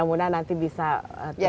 karena nanti bisa terus berulang